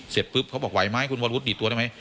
เสร็จปุ๊บเขาบอกไหวไหมคุณวรวุฒิดีดตัวได้ไหม